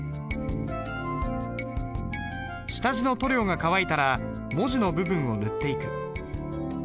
下地の塗料が乾いたら文字の部分を塗っていく。